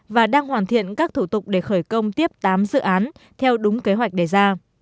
và đang hoàn thiện các thủ tục để khởi công tiếp tám dự án theo đúng kế hoạch đề ra